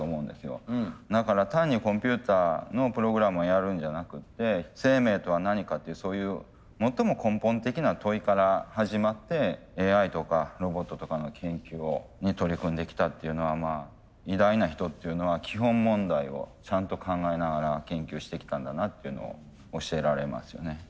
だから単にコンピューターのプログラムをやるんじゃなくって生命とは何かというそういう最も根本的な問いから始まってＡＩとかロボットとかの研究に取り組んできたっていうのは偉大な人っていうのは基本問題をちゃんと考えながら研究してきたんだなっていうのを教えられますよね。